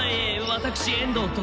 私遠藤と。